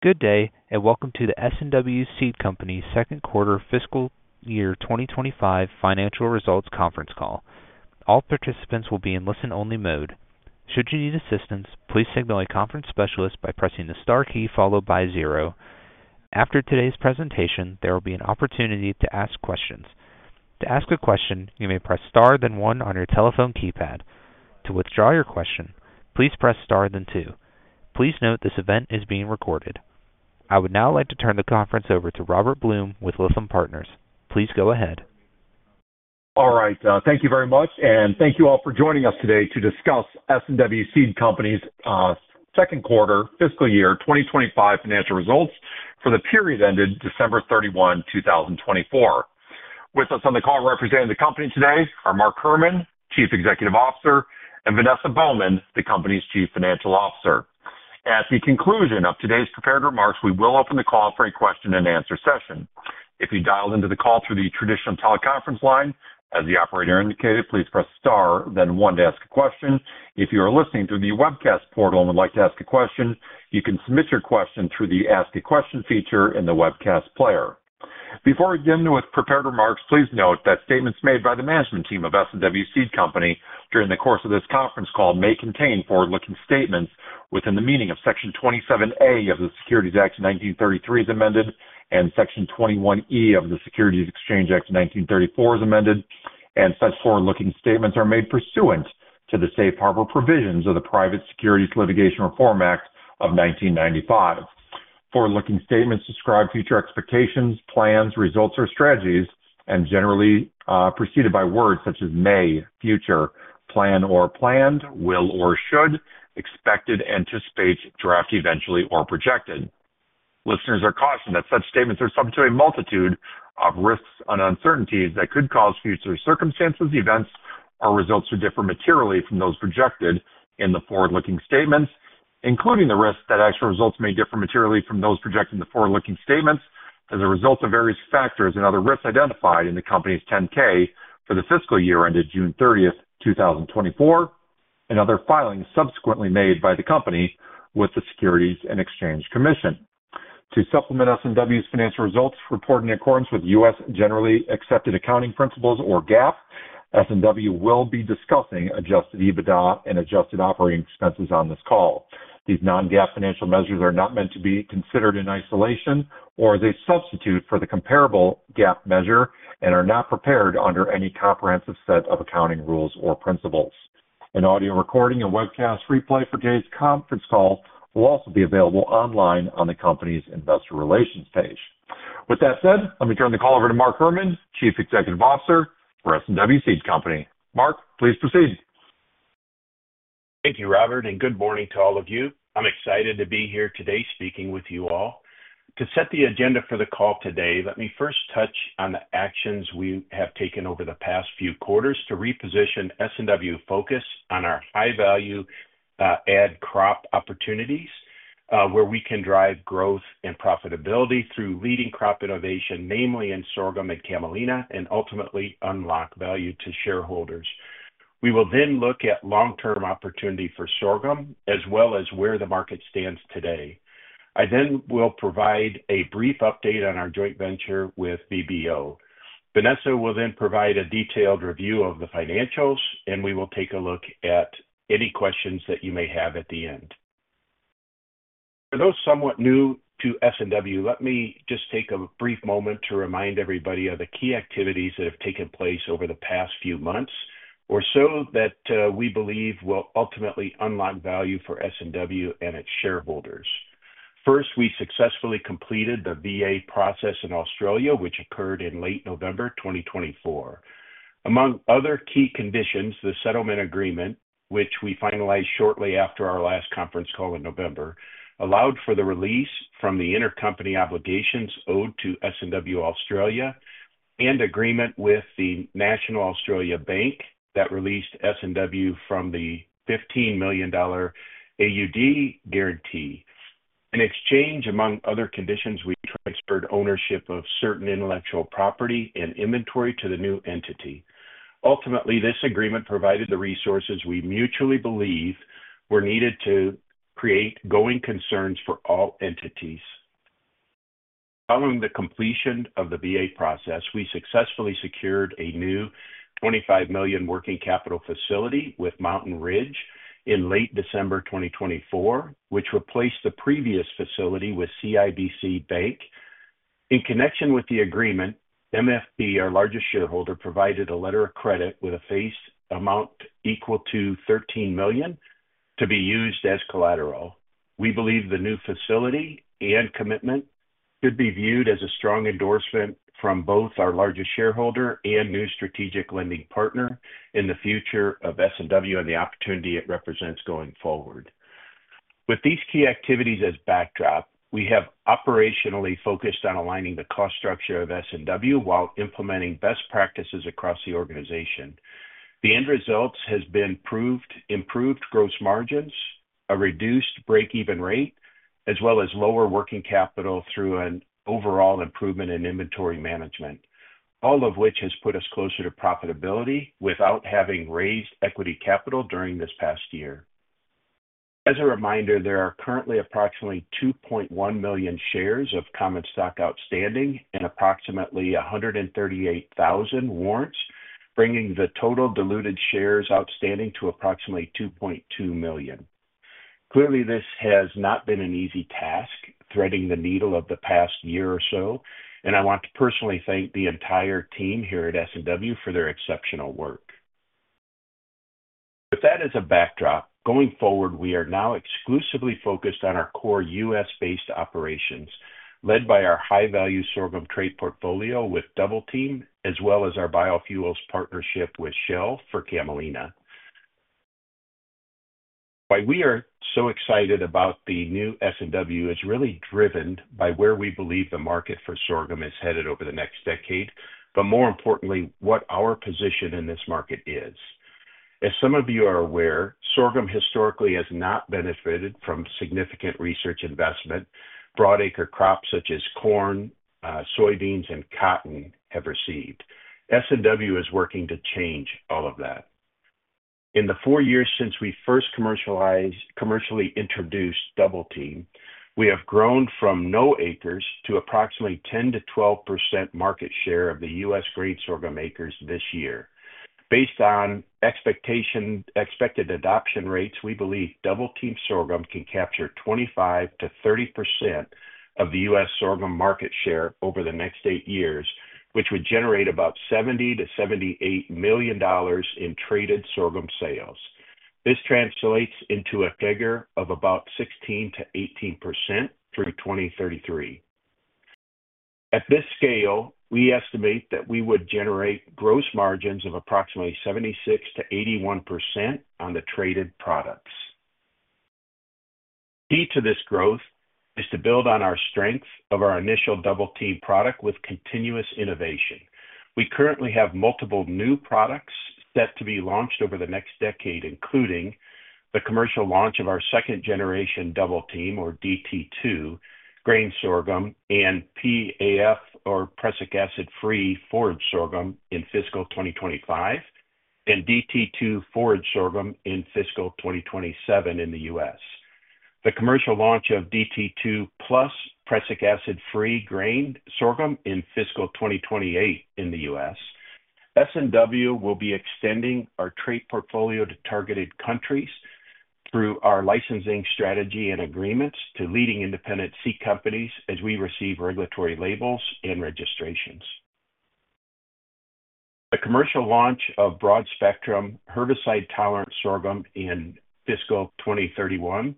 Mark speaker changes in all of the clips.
Speaker 1: Good day, and welcome to the S&W Seed Company's second quarter fiscal year 2025 financial results conference call. All participants will be in listen-only mode. Should you need assistance, please signal a conference specialist by pressing the star key followed by zero. After today's presentation, there will be an opportunity to ask questions. To ask a question, you may press star then one on your telephone keypad. To withdraw your question, please press star then two. Please note this event is being recorded. I would now like to turn the conference over to Robert Blum with Lytham Partners. Please go ahead.
Speaker 2: All right. Thank you very much, and thank you all for joining us today to discuss S&W Seed Company's second quarter fiscal year 2025 financial results for the period ended December 31, 2024. With us on the call representing the company today are Mark Herrmann, Chief Executive Officer, and Vanessa Baughman, the company's Chief Financial Officer. At the conclusion of today's prepared remarks, we will open the call for a question-and-answer session. If you dialed into the call through the traditional teleconference line, as the operator indicated, please press star then one to ask a question. If you are listening through the webcast portal and would like to ask a question, you can submit your question through the ask a question feature in the webcast player. Before we begin with prepared remarks, please note that statements made by the management team of S&W Seed Company during the course of this conference call may contain forward-looking statements within the meaning of Section 27A of the Securities Act of 1933 as amended, and Section 21E of the Securities Exchange Act of 1934 as amended, and such forward-looking statements are made pursuant to the Safe Harbor Provisions of the Private Securities Litigation Reform Act of 1995. Forward-looking statements describe future expectations, plans, results, or strategies, and generally are preceded by words such as may, future, plan or planned, will or should, expected, anticipate, draft, eventually, or projected. Listeners are cautioned that such statements are subject to a multitude of risks and uncertainties that could cause future circumstances, events, or results to differ materially from those projected in the forward-looking statements, including the risk that actual results may differ materially from those projected in the forward-looking statements as a result of various factors and other risks identified in the company's 10-K for the fiscal year ended June 30, 2024, and other filings subsequently made by the company with the Securities and Exchange Commission. To supplement S&W's financial results reporting in accordance with U.S. Generally Accepted Accounting Principles, or GAAP, S&W will be discussing Adjusted EBITDA and adjusted operating expenses on this call. These non-GAAP financial measures are not meant to be considered in isolation or as a substitute for the comparable GAAP measure and are not prepared under any comprehensive set of accounting rules or principles. An audio recording and webcast replay for today's conference call will also be available online on the company's investor relations page. With that said, let me turn the call over to Mark Herrmann, Chief Executive Officer for S&W Seed Company. Mark, please proceed.
Speaker 3: Thank you, Robert, and good morning to all of you. I'm excited to be here today speaking with you all. To set the agenda for the call today, let me first touch on the actions we have taken over the past few quarters to reposition S&W, focus on our high-value add crop opportunities where we can drive growth and profitability through leading crop innovation, namely in sorghum and camelina, and ultimately unlock value to shareholders. We will then look at long-term opportunity for sorghum as well as where the market stands today. I then will provide a brief update on our joint venture with VBO. Vanessa will then provide a detailed review of the financials, and we will take a look at any questions that you may have at the end. For those somewhat new to S&W, let me just take a brief moment to remind everybody of the key activities that have taken place over the past few months or so that we believe will ultimately unlock value for S&W and its shareholders. First, we successfully completed the VA process in Australia, which occurred in late November 2024. Among other key conditions, the settlement agreement, which we finalized shortly after our last conference call in November, allowed for the release from the intercompany obligations owed to S&W Australia and agreement with the National Australia Bank that released S&W from the 15 million AUD guarantee. In exchange, among other conditions, we transferred ownership of certain intellectual property and inventory to the new entity. Ultimately, this agreement provided the resources we mutually believe were needed to create going concerns for all entities. Following the completion of the VA process, we successfully secured a new $25 million working capital facility with Mountain Ridge in late December 2024, which replaced the previous facility with CIBC. In connection with the agreement, MFP, our largest shareholder, provided a letter of credit with a face amount equal to $13 million to be used as collateral. We believe the new facility and commitment could be viewed as a strong endorsement from both our largest shareholder and new strategic lending partner in the future of S&W and the opportunity it represents going forward. With these key activities as backdrop, we have operationally focused on aligning the cost structure of S&W while implementing best practices across the organization. The end results have been improved gross margins, a reduced break-even rate, as well as lower working capital through an overall improvement in inventory management, all of which has put us closer to profitability without having raised equity capital during this past year. As a reminder, there are currently approximately 2.1 million shares of common stock outstanding and approximately 138,000 warrants, bringing the total diluted shares outstanding to approximately 2.2 million. Clearly, this has not been an easy task, threading the needle of the past year or so, and I want to personally thank the entire team here at S&W for their exceptional work. With that as a backdrop, going forward, we are now exclusively focused on our core U.S. based operations led by our high-value sorghum trait portfolio with Double Team, as well as our biofuels partnership with Shell for camelina. Why we are so excited about the new S&W is really driven by where we believe the market for sorghum is headed over the next decade, but more importantly, what our position in this market is. As some of you are aware, sorghum historically has not benefited from significant research investment. Broad-acre crops such as corn, soybeans, and cotton have received. S&W is working to change all of that. In the four years since we first commercially introduced Double Team, we have grown from no acres to approximately 10-12% market share of the U.S. grain sorghum acres this year. Based on expected adoption rates, we believe Double Team sorghum can capture 25-30% of the U.S. sorghum market share over the next eight years, which would generate about $70-$78 million in traded sorghum sales. This translates into a figure of about 16-18% through 2033. At this scale, we estimate that we would generate gross margins of approximately 76-81% on the traded products. The key to this growth is to build on our strength of our initial Double Team product with continuous innovation. We currently have multiple new products set to be launched over the next decade, including the commercial launch of our second-generation Double Team, or DT2, grain sorghum, and PAF, or prussic acid-free forage sorghum, in fiscal 2025, and DT2 forage sorghum in fiscal 2027 in the U.S. The commercial launch of DT2 plus prussic acid-free grain sorghum in fiscal 2028 in the U.S. S&W will be extending our trade portfolio to targeted countries through our licensing strategy and agreements to leading independent seed companies as we receive regulatory labels and registrations. The commercial launch of broad-spectrum herbicide-tolerant sorghum in fiscal 2031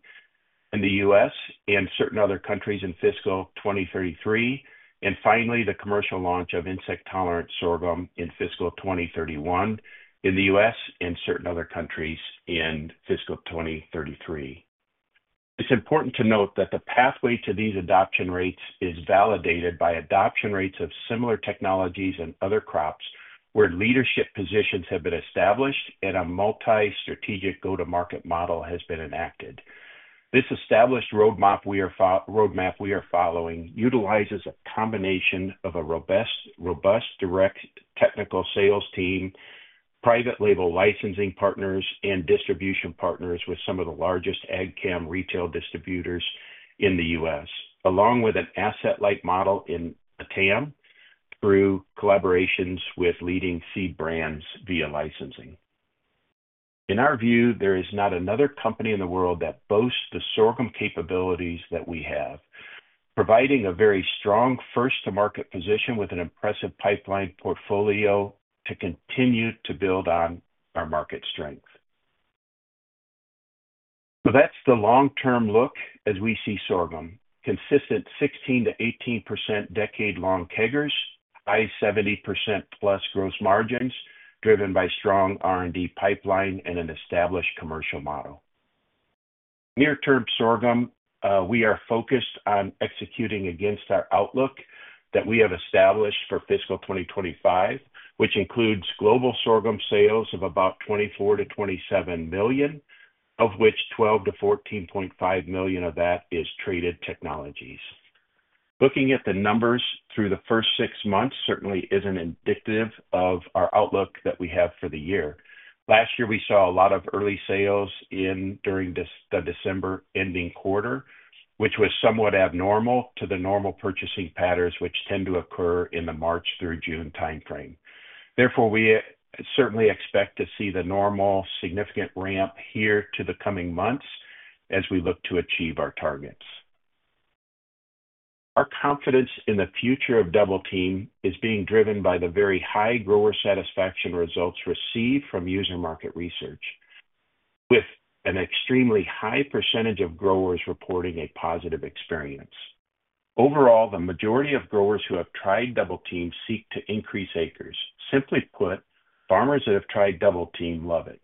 Speaker 3: in the U.S. and certain other countries in fiscal 2033, and finally, the commercial launch of insect-tolerant sorghum in fiscal 2031 in the U.S. and certain other countries in fiscal 2033. It's important to note that the pathway to these adoption rates is validated by adoption rates of similar technologies and other crops where leadership positions have been established and a multi-strategic go-to-market model has been enacted. This established roadmap we are following utilizes a combination of a robust, direct technical sales team, private label licensing partners, and distribution partners with some of the largest AgChem retail distributors in the U.S., along with an asset-light model in TAM through collaborations with leading seed brands via licensing. In our view, there is not another company in the world that boasts the sorghum capabilities that we have, providing a very strong first-to-market position with an impressive pipeline portfolio to continue to build on our market strength. That is the long-term look as we see sorghum: consistent 16%-18% decade-long CAGRs, high 70%+ gross margins driven by strong R&D pipeline and an established commercial model. Near-term sorghum, we are focused on executing against our outlook that we have established for fiscal 2025, which includes global sorghum sales of about $24 million-$27 million, of which $12 million-$14.5 million of that is traded technologies. Looking at the numbers through the first six months certainly is not indicative of our outlook that we have for the year. Last year, we saw a lot of early sales during the December ending quarter, which was somewhat abnormal to the normal purchasing patterns which tend to occur in the March through June timeframe. Therefore, we certainly expect to see the normal significant ramp here in the coming months as we look to achieve our targets. Our confidence in the future of Double Team is being driven by the very high grower satisfaction results received from user market research, with an extremely high % of growers reporting a positive experience. Overall, the majority of growers who have tried Double Team seek to increase acres. Simply put, farmers that have tried Double Team love it.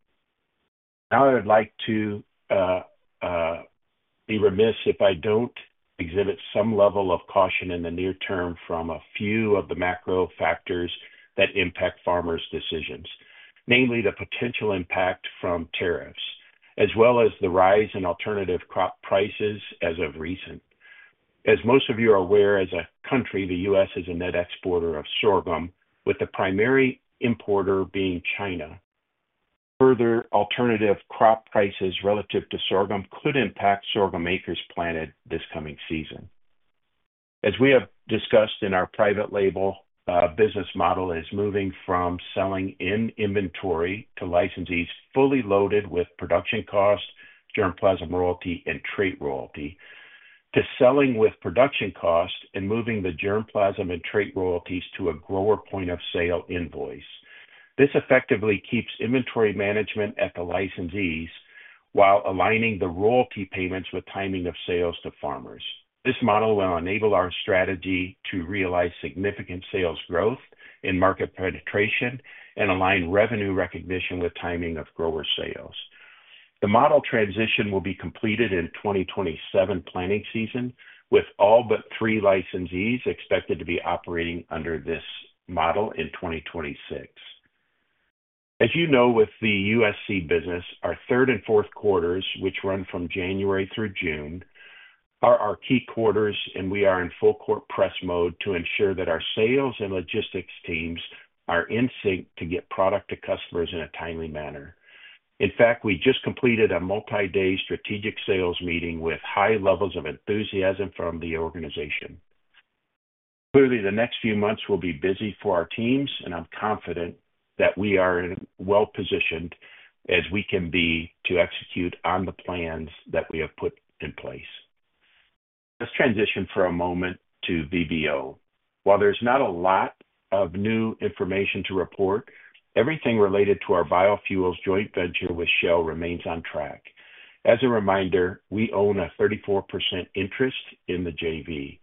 Speaker 3: Now, I would like to be remiss if I do not exhibit some level of caution in the near term from a few of the macro factors that impact farmers' decisions, namely the potential impact from tariffs, as well as the rise in alternative crop prices as of recent. As most of you are aware, as a country, the U.S. is a net exporter of sorghum, with the primary importer being China. Further alternative crop prices relative to sorghum could impact sorghum acres planted this coming season. As we have discussed in our private label business model, it is moving from selling in inventory to licensees fully loaded with production cost, germplasm royalty, and trade royalty to selling with production cost and moving the germplasm and trade royalties to a grower point-of-sale invoice. This effectively keeps inventory management at the licensees while aligning the royalty payments with timing of sales to farmers. This model will enable our strategy to realize significant sales growth and market penetration and align revenue recognition with timing of grower sales. The model transition will be completed in the 2027 planting season, with all but three licensees expected to be operating under this model in 2026. As you know, with the U.S. seed business, our third and fourth quarters, which run from January through June, are our key quarters, and we are in full-court press mode to ensure that our sales and logistics teams are in sync to get product to customers in a timely manner. In fact, we just completed a multi-day strategic sales meeting with high levels of enthusiasm from the organization. Clearly, the next few months will be busy for our teams, and I'm confident that we are as well-positioned as we can be to execute on the plans that we have put in place. Let's transition for a moment to VBO. While there's not a lot of new information to report, everything related to our biofuels joint venture with Shell remains on track. As a reminder, we own a 34% interest in the JV.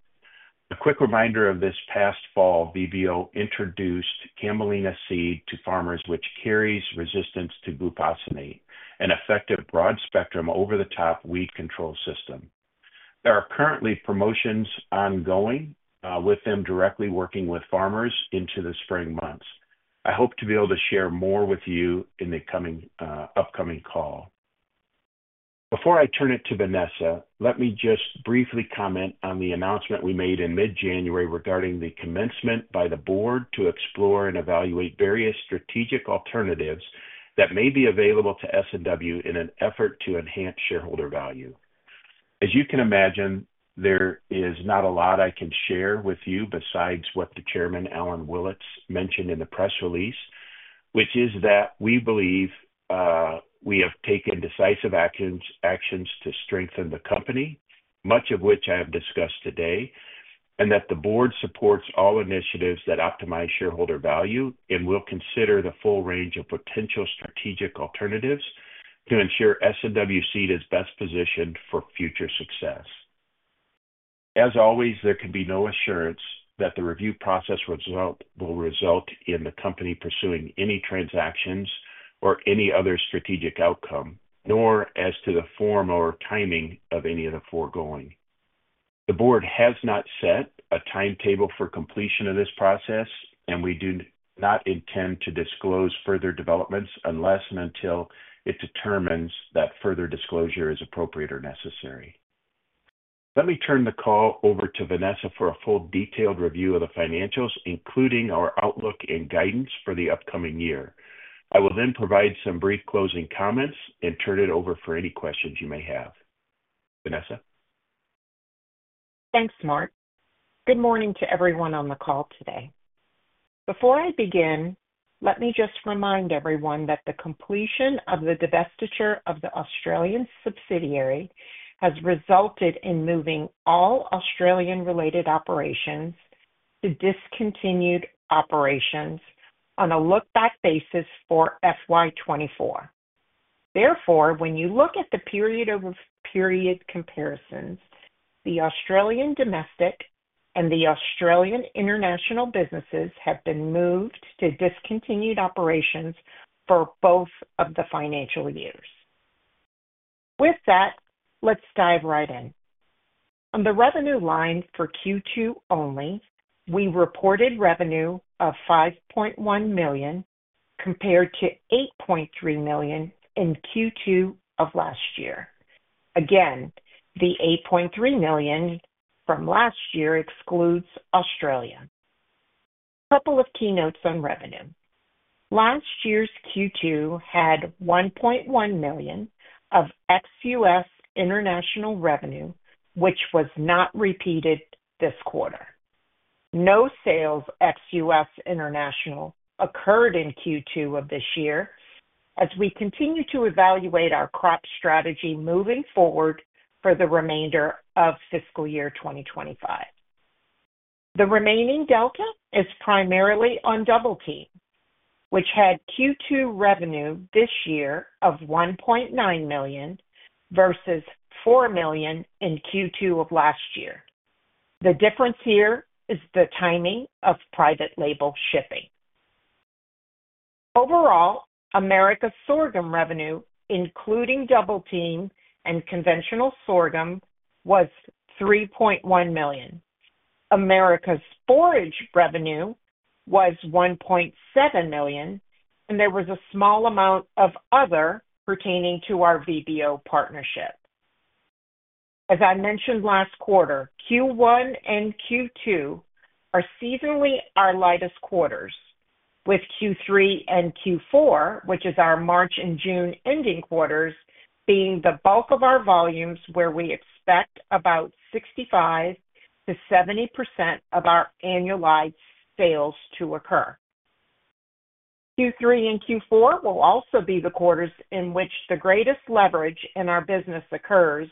Speaker 3: A quick reminder of this past fall, VBO introduced camelina seed to farmers, which carries resistance to Glufosinate, an effective broad-spectrum over-the-top weed control system. There are currently promotions ongoing with them directly working with farmers into the spring months. I hope to be able to share more with you in the upcoming call. Before I turn it to Vanessa, let me just briefly comment on the announcement we made in mid-January regarding the commencement by the board to explore and evaluate various strategic alternatives that may be available to S&W in an effort to enhance shareholder value. As you can imagine, there is not a lot I can share with you besides what the Chairman, Alan Willits, mentioned in the press release, which is that we believe we have taken decisive actions to strengthen the company, much of which I have discussed today, and that the board supports all initiatives that optimize shareholder value and will consider the full range of potential strategic alternatives to ensure S&W Seed is best positioned for future success. As always, there can be no assurance that the review process will result in the company pursuing any transactions or any other strategic outcome, nor as to the form or timing of any of the foregoing. The board has not set a timetable for completion of this process, and we do not intend to disclose further developments unless and until it determines that further disclosure is appropriate or necessary. Let me turn the call over to Vanessa for a full detailed review of the financials, including our outlook and guidance for the upcoming year. I will then provide some brief closing comments and turn it over for any questions you may have. Vanessa?
Speaker 4: Thanks, Mark. Good morning to everyone on the call today. Before I begin, let me just remind everyone that the completion of the divestiture of the Australian subsidiary has resulted in moving all Australian-related operations to discontinued operations on a look-back basis for fiscal year 2024. Therefore, when you look at the period-over-period comparisons, the Australian domestic and the Australian international businesses have been moved to discontinued operations for both of the financial years. With that, let's dive right in. On the revenue line for Q2 only, we reported revenue of $5.1 million compared to $8.3 million in Q2 of last year. Again, the $8.3 million from last year excludes Australia. A couple of keynotes on revenue. Last year's Q2 had $1.1 million of ex-U.S. international revenue, which was not repeated this quarter. No sales ex-U.S. international occurred in Q2 of this year as we continue to evaluate our crop strategy moving forward for the remainder of fiscal year 2025. The remaining delta is primarily on Double Team, which had Q2 revenue this year of $1.9 million versus $4 million in Q2 of last year. The difference here is the timing of private label shipping. Overall, Americas sorghum revenue, including Double Team and conventional sorghum, was $3.1 million. Americas forage revenue was $1.7 million, and there was a small amount of other pertaining to our VBO partnership. As I mentioned last quarter, Q1 and Q2 are seasonally our lightest quarters, with Q3 and Q4, which is our March and June ending quarters, being the bulk of our volumes where we expect about 65%-70% of our annualized sales to occur. Q3 and Q4 will also be the quarters in which the greatest leverage in our business occurs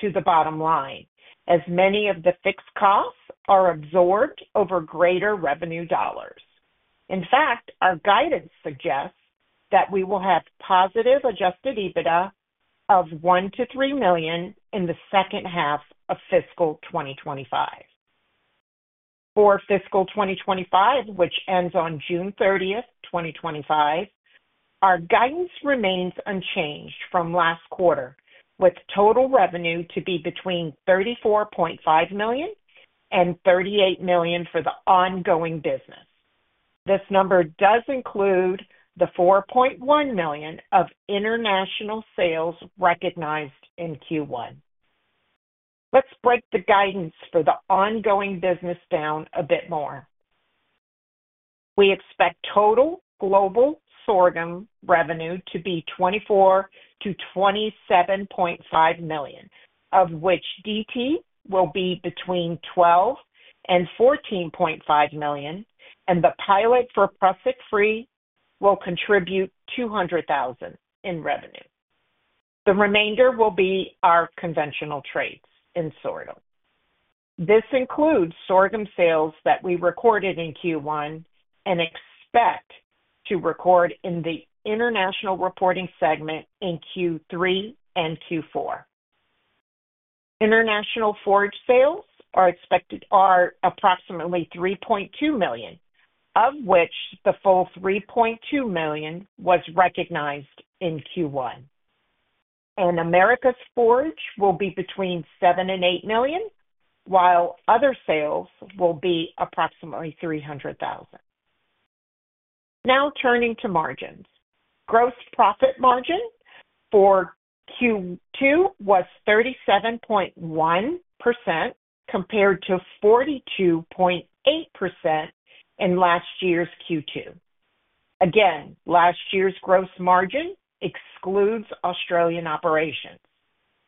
Speaker 4: to the bottom line, as many of the fixed costs are absorbed over greater revenue dollars. In fact, our guidance suggests that we will have positive Adjusted EBITDA of $1 million-$3 million in the second half of fiscal 2025. For fiscal 2025, which ends on June 30, 2025, our guidance remains unchanged from last quarter, with total revenue to be between $34.5 million and $38 million for the ongoing business. This number does include the $4.1 million of international sales recognized in Q1. Let's break the guidance for the ongoing business down a bit more. We expect total global sorghum revenue to be $24 million-$27.5 million, of which DT will be between $12 million and $14.5 million, and the pilot for Prussic Free will contribute $200,000 in revenue. The remainder will be our conventional traits in sorghum. This includes sorghum sales that we recorded in Q1 and expect to record in the international reporting segment in Q3 and Q4. International forage sales are approximately $3.2 million, of which the full $3.2 million was recognized in Q1. America's forage will be between $7 million and $8 million, while other sales will be approximately $300,000. Now turning to margins. Gross profit margin for Q2 was 37.1% compared to 42.8% in last year's Q2. Last year's gross margin excludes Australian operations.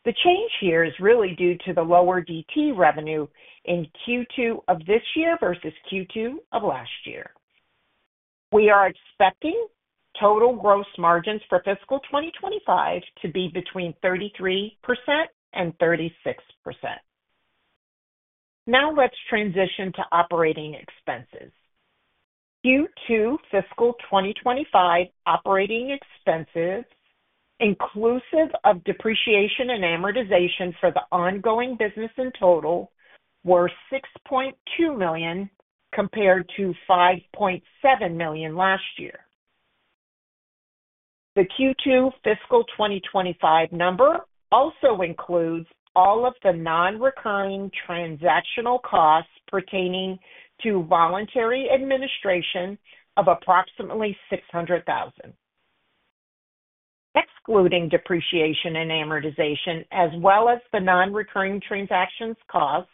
Speaker 4: The change here is really due to the lower DT revenue in Q2 of this year versus Q2 of last year. We are expecting total gross margins for fiscal 2025 to be between 33% and 36%. Now let's transition to operating expenses. Q2 fiscal 2025 operating expenses, inclusive of depreciation and amortization for the ongoing business in total, were $6.2 million compared to $5.7 million last year. The Q2 fiscal 2025 number also includes all of the non-recurring transactional costs pertaining to voluntary administration of approximately $600,000. Excluding depreciation and amortization, as well as the non-recurring transactions costs,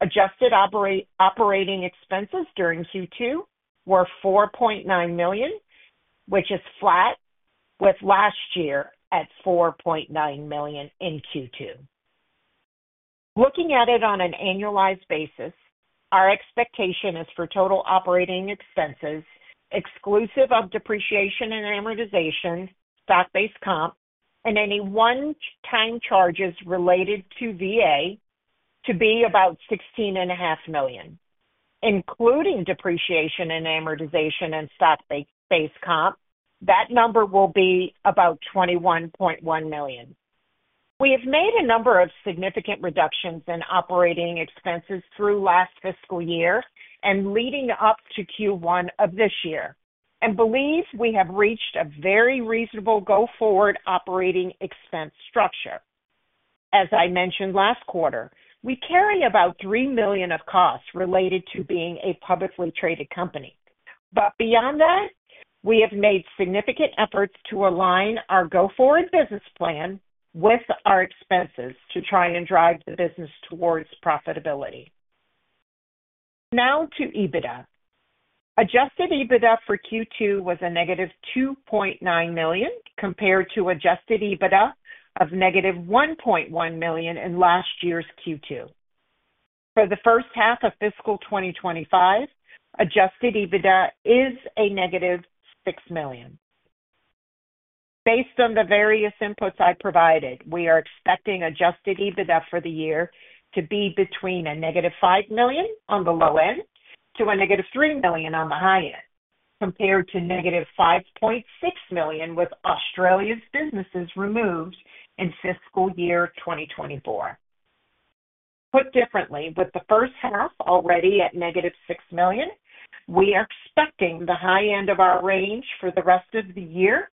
Speaker 4: adjusted operating expenses during Q2 were $4.9 million, which is flat with last year at $4.9 million in Q2. Looking at it on an annualized basis, our expectation is for total operating expenses, exclusive of depreciation and amortization, stock-based comp, and any one-time charges related to VA to be about $16.5 million. Including depreciation and amortization and stock-based comp, that number will be about $21.1 million. We have made a number of significant reductions in operating expenses through last fiscal year and leading up to Q1 of this year and believe we have reached a very reasonable go-forward operating expense structure. As I mentioned last quarter, we carry about $3 million of costs related to being a publicly traded company. Beyond that, we have made significant efforts to align our go-forward business plan with our expenses to try and drive the business towards profitability. Now to EBITDA. Adjusted EBITDA for Q2 was a -$2.9 million compared to Adjusted EBITDA of -$1.1 million in last year's Q2. For the first half of fiscal 2025, Adjusted EBITDA is a -$6 million. Based on the various inputs I provided, we are expecting Adjusted EBITDA for the year to be between a -$5 million on the low end to a -$3 million on the high end compared to -$5.6 million with Australia's businesses removed in fiscal year 2024. Put differently, with the first half already at -$6 million, we are expecting the high end of our range for the rest of the year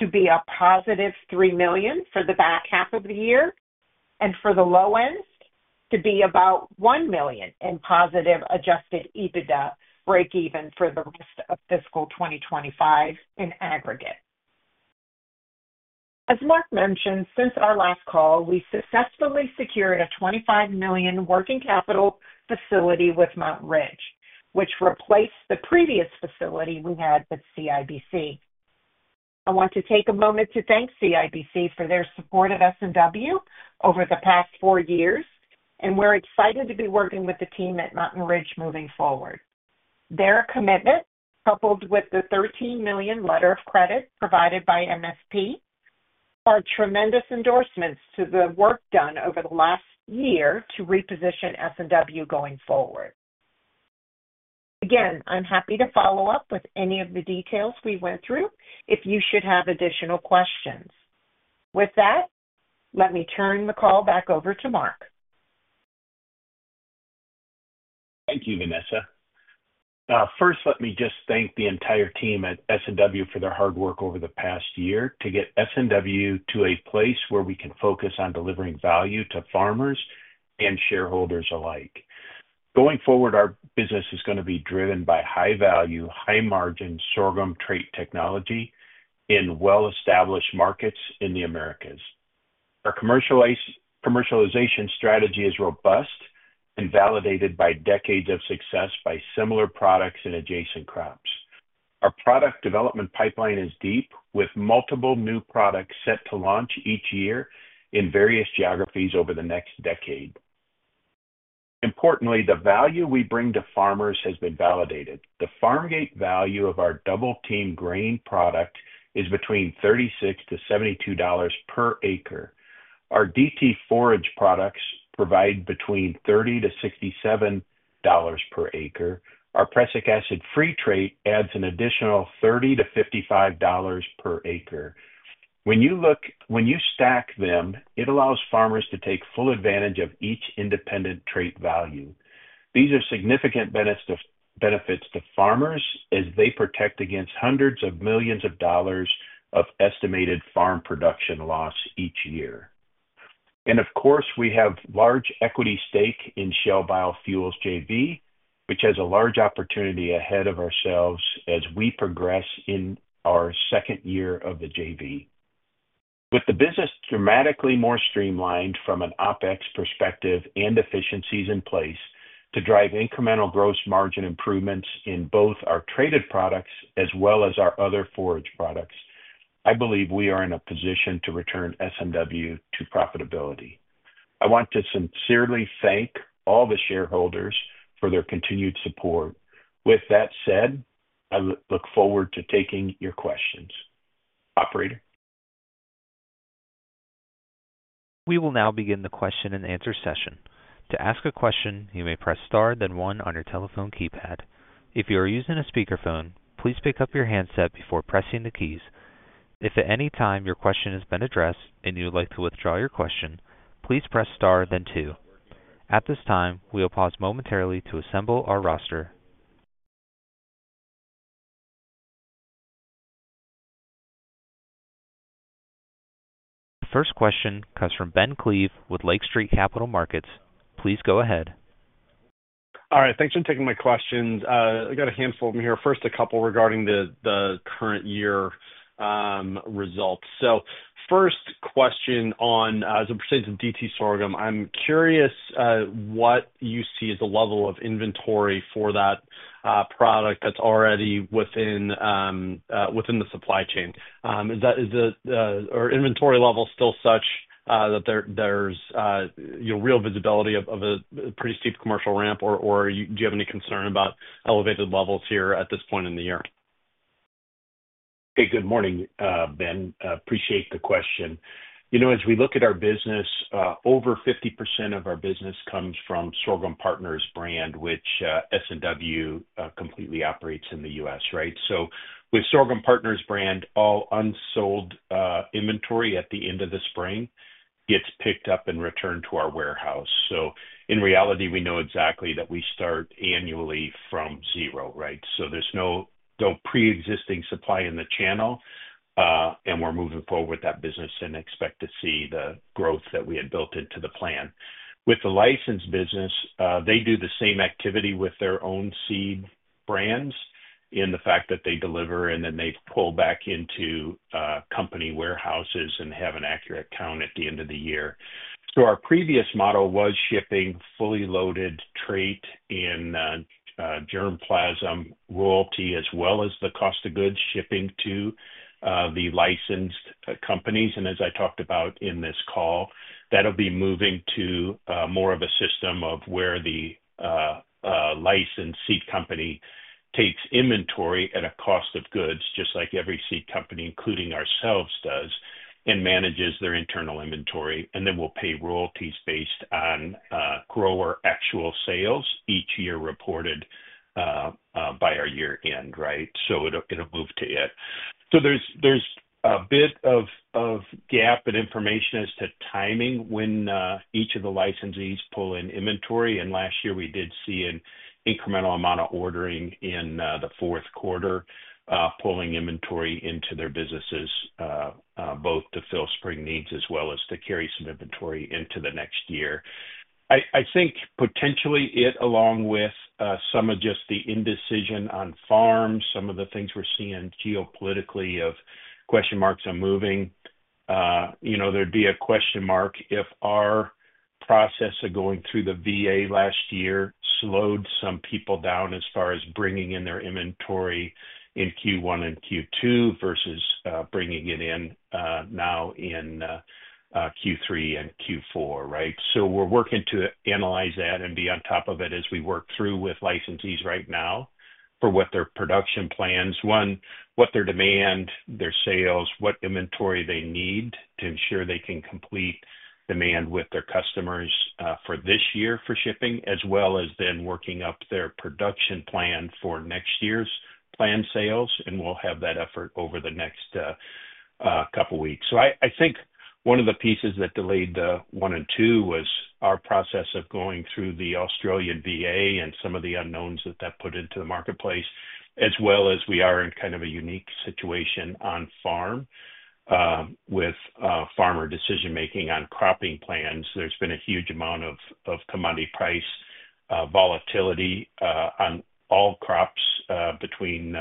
Speaker 4: to be a +$3 million for the back half of the year and for the low end to be about $1 million in positive Adjusted EBITDA break-even for the rest of fiscal 2025 in aggregate. As Mark mentioned, since our last call, we successfully secured a $25 million working capital facility with Mountain Ridge, which replaced the previous facility we had with CIBC. I want to take a moment to thank CIBC for their support of S&W over the past four years, and we're excited to be working with the team at Mountain Ridge moving forward. Their commitment, coupled with the $13 million letter of credit provided by MFP, are tremendous endorsements to the work done over the last year to reposition S&W going forward. Again, I'm happy to follow up with any of the details we went through if you should have additional questions. With that, let me turn the call back over to Mark.
Speaker 3: Thank you, Vanessa. First, let me just thank the entire team at S&W for their hard work over the past year to get S&W to a place where we can focus on delivering value to farmers and shareholders alike. Going forward, our business is going to be driven by high-value, high-margin sorghum trait technology in well-established markets in the Americas. Our commercialization strategy is robust and validated by decades of success by similar products and adjacent crops. Our product development pipeline is deep, with multiple new products set to launch each year in various geographies over the next decade. Importantly, the value we bring to farmers has been validated. The farm gate value of our Double Team grain product is between $36-$72 per acre. Our DT forage products provide between $30-$67 per acre. Our Prussic Acid Free trait adds an additional $30-$55 per acre. When you stack them, it allows farmers to take full advantage of each independent trait value. These are significant benefits to farmers as they protect against hundreds of millions of dollars of estimated farm production loss each year. We have a large equity stake in Shell Biofuels JV, which has a large opportunity ahead of ourselves as we progress in our second year of the JV. With the business dramatically more streamlined from an OPEX perspective and efficiencies in place to drive incremental gross margin improvements in both our traded products as well as our other forage products, I believe we are in a position to return S&W to profitability. I want to sincerely thank all the shareholders for their continued support. With that said, I look forward to taking your questions. Operator.
Speaker 1: We will now begin the question-and-answer session. To ask a question, you may press star, then one on your telephone keypad. If you are using a speakerphone, please pick up your handset before pressing the keys. If at any time your question has been addressed and you would like to withdraw your question, please press star, then two. At this time, we will pause momentarily to assemble our roster. The first question comes from Ben Klieve with Lake Street Capital Markets. Please go ahead.
Speaker 5: All right. Thanks for taking my questions. I got a handful of them here. First, a couple regarding the current year results. First question on, as it pertains to DT Sorghum, I'm curious what you see as the level of inventory for that product that's already within the supply chain. Is the inventory level still such that there's real visibility of a pretty steep commercial ramp, or do you have any concern about elevated levels here at this point in the year?
Speaker 3: Hey, good morning, Ben. Appreciate the question. As we look at our business, over 50% of our business comes from Sorghum Partners brand, which S&W completely operates in the U.S., right? With Sorghum Partners brand, all unsold inventory at the end of the spring gets picked up and returned to our warehouse. In reality, we know exactly that we start annually from zero, right? There is no pre-existing supply in the channel, and we are moving forward with that business and expect to see the growth that we had built into the plan. With the licensed business, they do the same activity with their own seed brands in the fact that they deliver, and then they pull back into company warehouses and have an accurate count at the end of the year. Our previous model was shipping fully loaded trait in germplasm royalty, as well as the cost of goods shipping to the licensed companies. As I talked about in this call, that will be moving to more of a system where the licensed seed company takes inventory at a cost of goods, just like every seed company, including ourselves, does, and manages their internal inventory. We will pay royalties based on grower actual sales each year reported by our year-end, right? It will move to it. There is a bit of gap in information as to timing when each of the licensees pull in inventory. Last year, we did see an incremental amount of ordering in the fourth quarter, pulling inventory into their businesses, both to fill spring needs as well as to carry some inventory into the next year. I think potentially it, along with some of just the indecision on farms, some of the things we are seeing geopolitically of question marks on moving, there would be a question mark if our process of going through the VA last year slowed some people down as far as bringing in their inventory in Q1 and Q2 versus bringing it in now in Q3 and Q4, right? We're working to analyze that and be on top of it as we work through with licensees right now for what their production plans, what their demand, their sales, what inventory they need to ensure they can complete demand with their customers for this year for shipping, as well as then working up their production plan for next year's planned sales. We'll have that effort over the next couple of weeks. I think one of the pieces that delayed the one and two was our process of going through the Australian VA and some of the unknowns that that put into the marketplace, as well as we are in kind of a unique situation on farm with farmer decision-making on cropping plans. There's been a huge amount of commodity price volatility on all crops between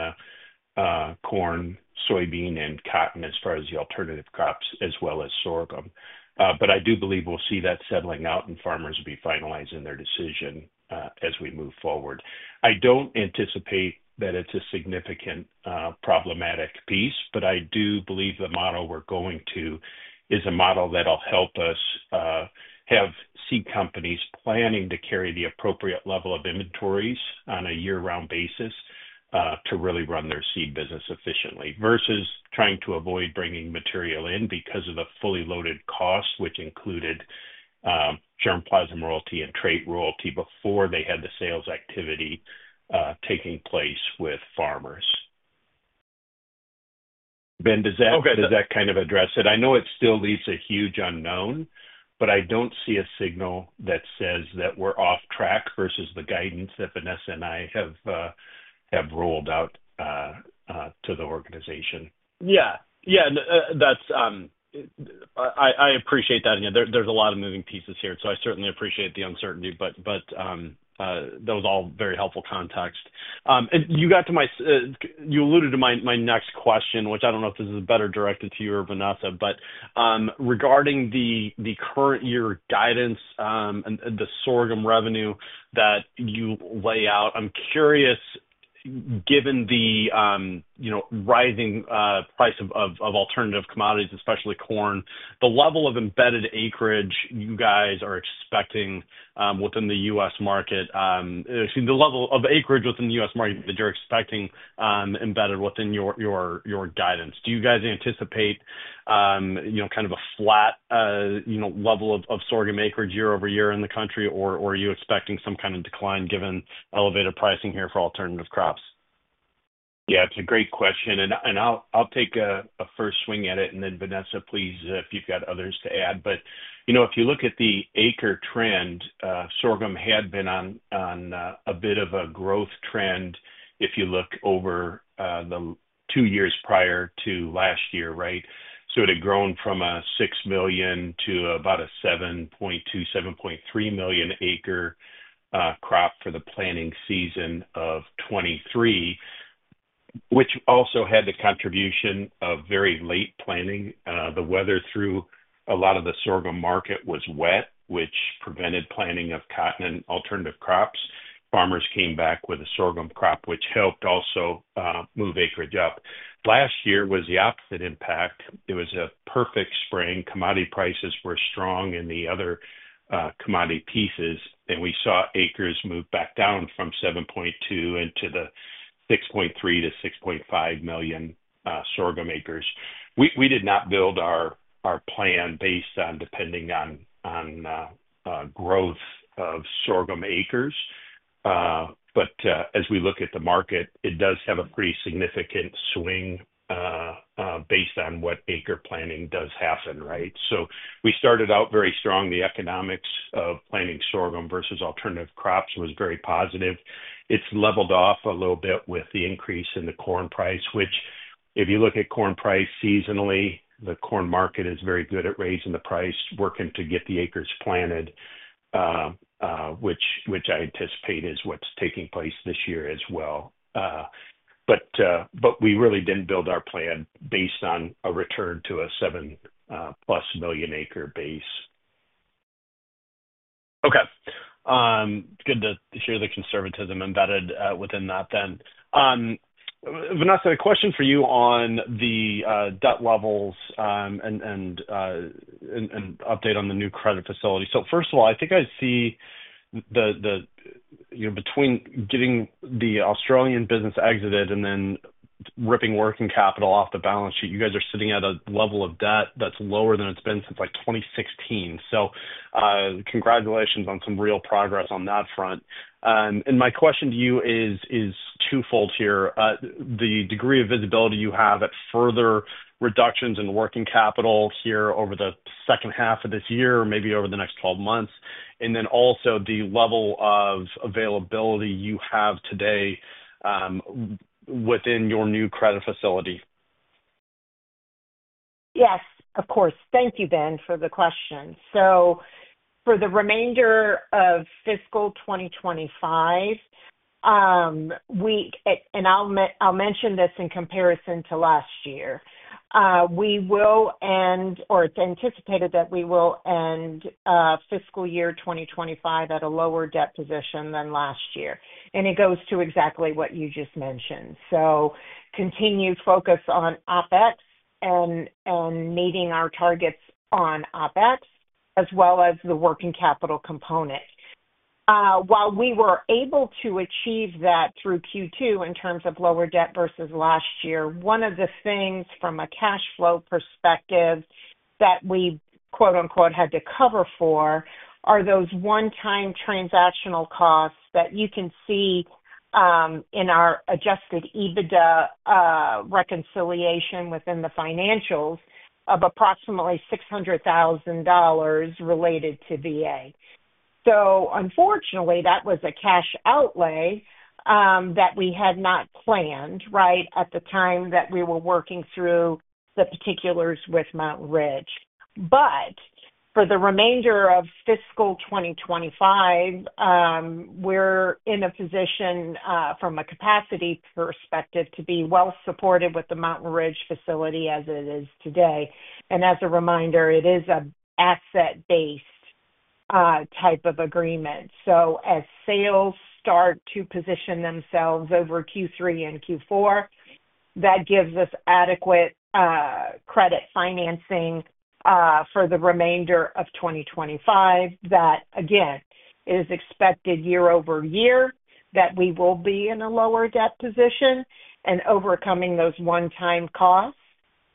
Speaker 3: corn, soybean, and cotton as far as the alternative crops, as well as sorghum. I do believe we'll see that settling out, and farmers will be finalizing their decision as we move forward. I don't anticipate that it's a significant problematic piece, but I do believe the model we're going to is a model that'll help us have seed companies planning to carry the appropriate level of inventories on a year-round basis to really run their seed business efficiently versus trying to avoid bringing material in because of the fully loaded cost, which included germplasm royalty and trait royalty before they had the sales activity taking place with farmers. Ben, does that kind of address it? I know it still leaves a huge unknown, but I don't see a signal that says that we're off track versus the guidance that Vanessa and I have rolled out to the organization.
Speaker 5: Yeah. Yeah. I appreciate that. There's a lot of moving pieces here, so I certainly appreciate the uncertainty, but that was all very helpful context. You got to my—you alluded to my next question, which I don't know if this is better directed to you or Vanessa, but regarding the current year guidance and the sorghum revenue that you lay out, I'm curious, given the rising price of alternative commodities, especially corn, the level of embedded acreage you guys are expecting within the U.S. market, the level of acreage within the U.S. market that you're expecting embedded within your guidance. Do you guys anticipate kind of a flat level of sorghum acreage year over year in the country, or are you expecting some kind of decline given elevated pricing here for alternative crops?
Speaker 3: Yeah. It's a great question. I'll take a first swing at it, and then Vanessa, please, if you've got others to add. If you look at the acre trend, sorghum had been on a bit of a growth trend if you look over the two years prior to last year, right? It had grown from a 6 million to about a 7.2-7.3 million acre crop for the planting season of 2023, which also had the contribution of very late planting. The weather through a lot of the sorghum market was wet, which prevented planting of cotton and alternative crops. Farmers came back with a sorghum crop, which helped also move acreage up. Last year was the opposite impact. It was a perfect spring. Commodity prices were strong in the other commodity pieces, and we saw acres move back down from 7.2 into the 6.3-6.5 million sorghum acres. We did not build our plan based on depending on growth of sorghum acres, but as we look at the market, it does have a pretty significant swing based on what acre planning does happen, right? We started out very strong. The economics of planting sorghum versus alternative crops was very positive. It has leveled off a little bit with the increase in the corn price, which if you look at corn price seasonally, the corn market is very good at raising the price, working to get the acres planted, which I anticipate is what is taking place this year as well. We really did not build our plan based on a return to a 7+ million acre base.
Speaker 5: Okay. It is good to hear the conservatism embedded within that then. Vanessa, a question for you on the debt levels and update on the new credit facility. First of all, I think I see between getting the Australian business exited and then ripping working capital off the balance sheet, you guys are sitting at a level of debt that is lower than it has been since like 2016. Congratulations on some real progress on that front. My question to you is twofold here. The degree of visibility you have at further reductions in working capital here over the second half of this year, maybe over the next 12 months, and then also the level of availability you have today within your new credit facility.
Speaker 4: Yes, of course. Thank you, Ben, for the question. For the remainder of fiscal 2025, and I'll mention this in comparison to last year, we will end, or it's anticipated that we will end fiscal year 2025 at a lower debt position than last year. It goes to exactly what you just mentioned. Continued focus on OPEX and meeting our targets on OPEX, as well as the working capital component. While we were able to achieve that through Q2 in terms of lower debt versus last year, one of the things from a cash flow perspective that we had to cover for are those one-time transactional costs that you can see in our Adjusted EBITDA reconciliation within the financials of approximately $600,000 related to VA. Unfortunately, that was a cash outlay that we had not planned, right, at the time that we were working through the particulars with Mountain Ridge. For the remainder of fiscal 2025, we're in a position from a capacity perspective to be well-supported with the Mountain Ridge facility as it is today. As a reminder, it is an asset-based type of agreement. As sales start to position themselves over Q3 and Q4, that gives us adequate credit financing for the remainder of 2025 that, again, is expected year over year that we will be in a lower debt position and overcoming those one-time costs.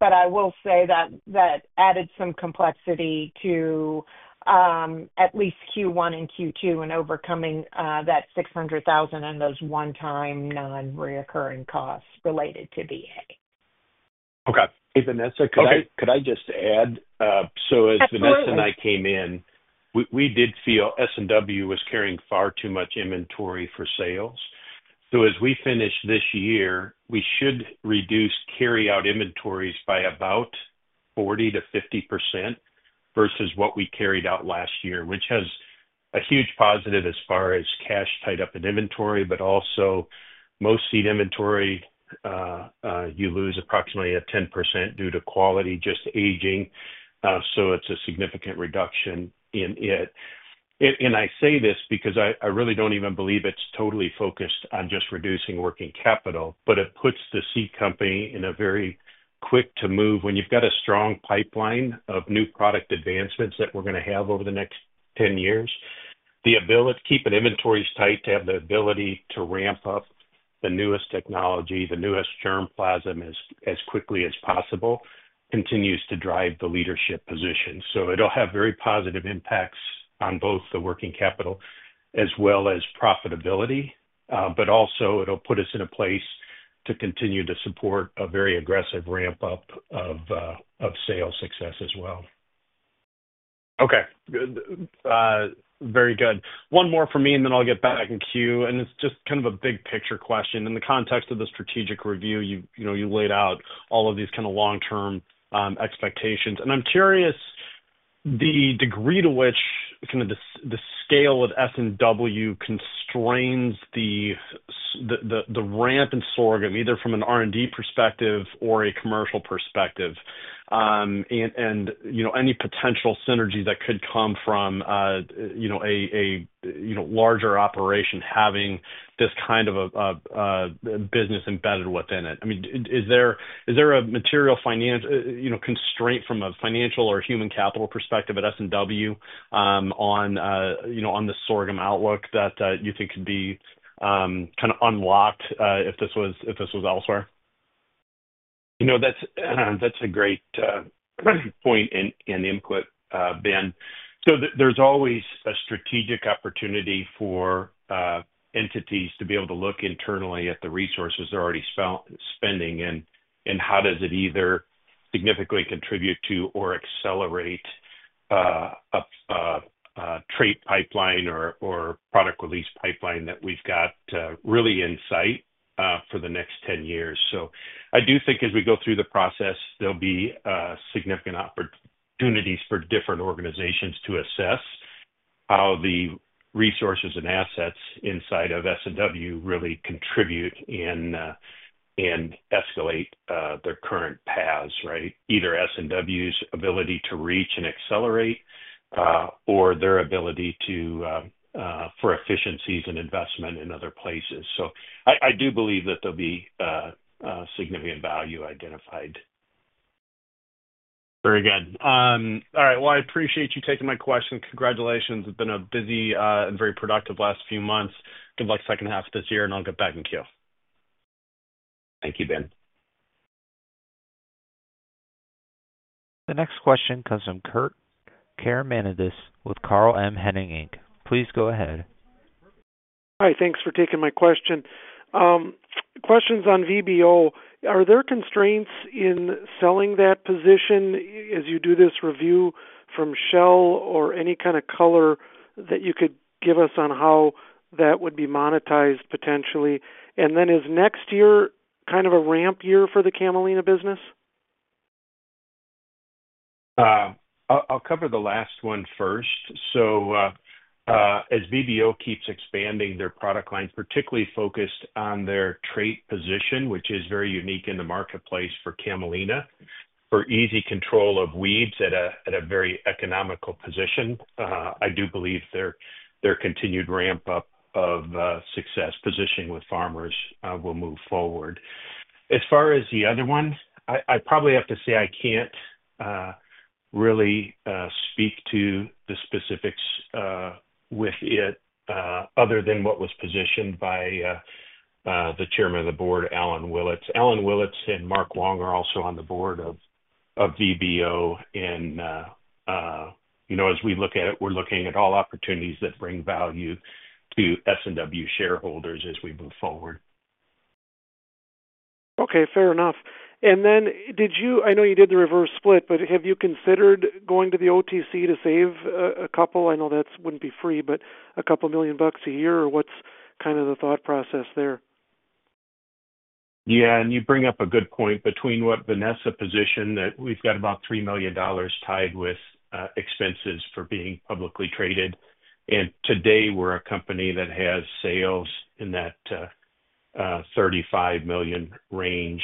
Speaker 4: I will say that that added some complexity to at least Q1 and Q2 and overcoming that $600,000 and those one-time non-recurring costs related to VA.
Speaker 5: Okay.
Speaker 3: Hey, Vanessa, could I just add? As Vanessa and I came in, we did feel S&W was carrying far too much inventory for sales. As we finish this year, we should reduce carryout inventories by about 40%-50% versus what we carried out last year, which has a huge positive as far as cash tied up in inventory, but also most seed inventory, you lose approximately 10% due to quality just aging. It is a significant reduction in it. I say this because I really do not even believe it is totally focused on just reducing working capital, but it puts the seed company in a very quick to move when you have got a strong pipeline of new product advancements that we are going to have over the next 10 years. To keep inventories tight, to have the ability to ramp up the newest technology, the newest germplasm as quickly as possible, continues to drive the leadership position. It will have very positive impacts on both the working capital as well as profitability, but also it will put us in a place to continue to support a very aggressive ramp-up of sales success as well. Okay. Very good. One more for me, and then I'll get back in queue. It's just kind of a big-picture question. In the context of the strategic review, you laid out all of these kind of long-term expectations. I'm curious, the degree to which kind of the scale of S&W constrains the ramp in sorghum, either from an R&D perspective or a commercial perspective, and any potential synergies that could come from a larger operation having this kind of a business embedded within it. I mean, is there a material constraint from a financial or human capital perspective at S&W on the sorghum outlook that you think could be kind of unlocked if this was elsewhere? That's a great point and input, Ben. There is always a strategic opportunity for entities to be able to look internally at the resources they're already spending and how does it either significantly contribute to or accelerate a trade pipeline or product release pipeline that we've got really in sight for the next 10 years. I do think as we go through the process, there'll be significant opportunities for different organizations to assess how the resources and assets inside of S&W really contribute and escalate their current paths, right? Either S&W's ability to reach and accelerate or their ability for efficiencies and investment in other places. I do believe that there'll be significant value identified.
Speaker 5: Very good. All right. I appreciate you taking my question. Congratulations. It's been a busy and very productive last few months. Good luck second half of this year, and I'll get back in queue.
Speaker 3: Thank you, Ben.
Speaker 1: The next question comes from Kurt Caramanidis with Carl M. Hennig, Inc. Please go ahead.
Speaker 6: Hi. Thanks for taking my question. Questions on VBO. Are there constraints in selling that position as you do this review from Shell or any kind of color that you could give us on how that would be monetized potentially? Is next year kind of a ramp year for the camelina business?
Speaker 3: I'll cover the last one first. As VBO keeps expanding their product line, particularly focused on their trait position, which is very unique in the marketplace for camelina, for easy control of weeds at a very economical position, I do believe their continued ramp-up of success positioning with farmers will move forward. As far as the other one, I probably have to say I can't really speak to the specifics with it other than what was positioned by the Chairman of the Board, Alan Willits. Alan Willits and Mark Wong are also on the board of VBO. As we look at it, we're looking at all opportunities that bring value to S&W shareholders as we move forward.
Speaker 6: Okay. Fair enough. I know you did the reverse split, but have you considered going to the OTC to save a couple? I know that would not be free, but a couple million bucks a year, or what is kind of the thought process there?
Speaker 3: Yeah. You bring up a good point between what Vanessa positioned that we have about $3 million tied with expenses for being publicly traded. Today, we are a company that has sales in that $35 million range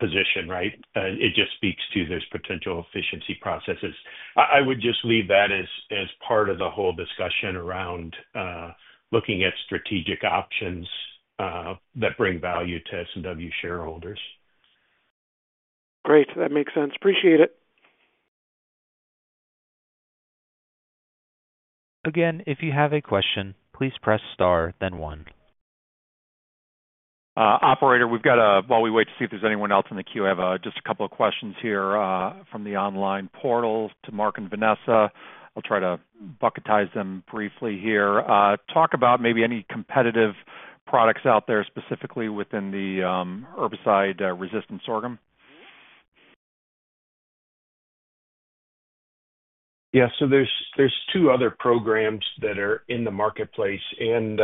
Speaker 3: position, right? It just speaks to there is potential efficiency processes. I would just leave that as part of the whole discussion around looking at strategic options that bring value to S&W shareholders.
Speaker 6: Great. That makes sense. Appreciate it.
Speaker 1: Again, if you have a question, please press star, then one.
Speaker 2: Operator, while we wait to see if there is anyone else in the queue, I have just a couple of questions here from the online portal to Mark and Vanessa. I will try to bucketize them briefly here. Talk about maybe any competitive products out there specifically within the herbicide-resistant sorghum.
Speaker 3: Yeah. There are two other programs that are in the marketplace, and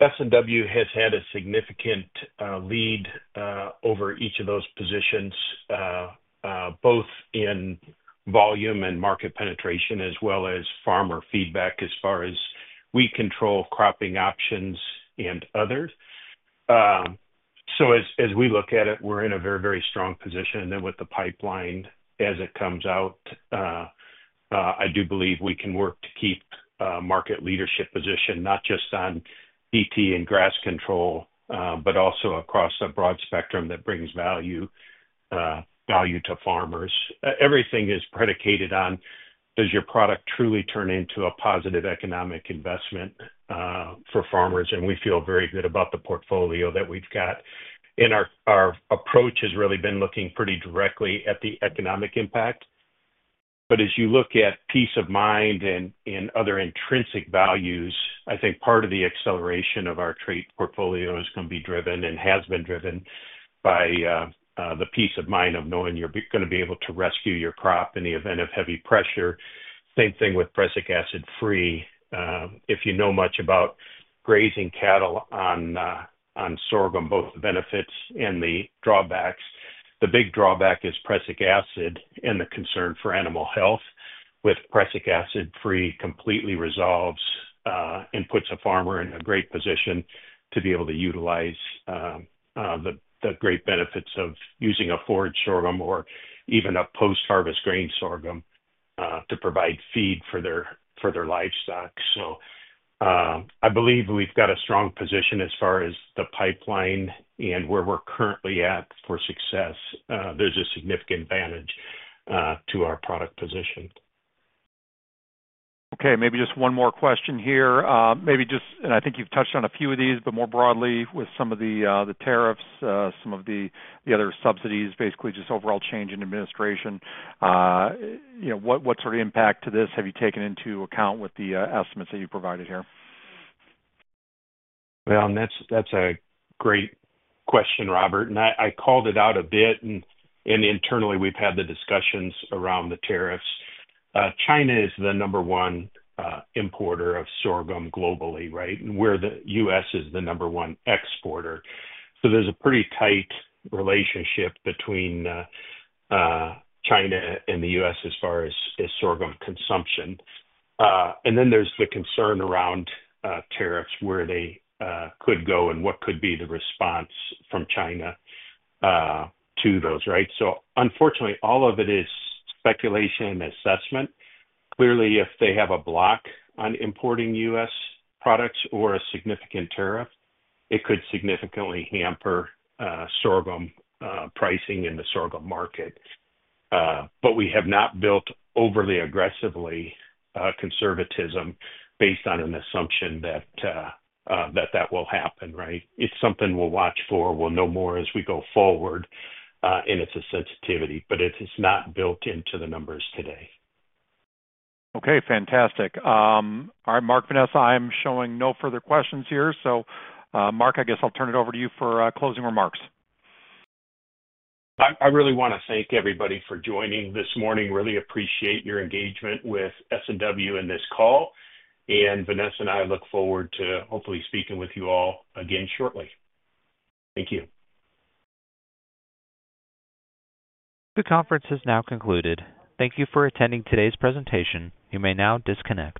Speaker 3: S&W has had a significant lead over each of those positions, both in volume and market penetration, as well as farmer feedback as far as weed control, cropping options, and others. As we look at it, we're in a very, very strong position. With the pipeline as it comes out, I do believe we can work to keep market leadership position, not just on DT and grass control, but also across a broad spectrum that brings value to farmers. Everything is predicated on, does your product truly turn into a positive economic investment for farmers? We feel very good about the portfolio that we've got. Our approach has really been looking pretty directly at the economic impact. As you look at peace of mind and other intrinsic values, I think part of the acceleration of our trade portfolio is going to be driven and has been driven by the peace of mind of knowing you're going to be able to rescue your crop in the event of heavy pressure. The same thing with prussic acid-free. If you know much about grazing cattle on sorghum, both the benefits and the drawbacks, the big drawback is prussic acid and the concern for animal health. With prussic acid-free, it completely resolves and puts a farmer in a great position to be able to utilize the great benefits of using a forage sorghum or even a post-harvest grain sorghum to provide feed for their livestock. I believe we've got a strong position as far as the pipeline and where we're currently at for success. There's a significant advantage to our product position.
Speaker 2: Okay. Maybe just one more question here. I think you've touched on a few of these, but more broadly, with some of the tariffs, some of the other subsidies, basically just overall change in administration, what sort of impact to this have you taken into account with the estimates that you provided here?
Speaker 3: That's a great question, Robert. I called it out a bit, and internally, we've had the discussions around the tariffs. China is the number one importer of sorghum globally, right? The U.S. is the number one exporter. There's a pretty tight relationship between China and the U.S. as far as Sorghum consumption. There's the concern around tariffs, where they could go and what could be the response from China to those, right? Unfortunately, all of it is speculation and assessment. Clearly, if they have a block on importing U.S. products or a significant tariff, it could significantly hamper sorghum pricing in the sorghum market. We have not built overly aggressively conservatism based on an assumption that that will happen, right? It's something we'll watch for. We'll know more as we go forward. It's a sensitivity, but it's not built into the numbers today.
Speaker 2: Okay. Fantastic. All right. Mark, Vanessa, I'm showing no further questions here. Mark, I guess I'll turn it over to you for closing remarks.
Speaker 3: I really want to thank everybody for joining this morning. Really appreciate your engagement with S&W in this call. Vanessa and I look forward to hopefully speaking with you all again shortly. Thank you. The conference has now concluded. Thank you for attending today's presentation. You may now disconnect.